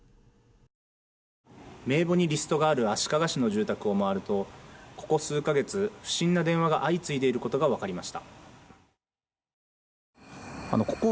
名簿にリストがある足利市の住宅を回るとここ数か月、不審な電話が相次いでいることが分かりました。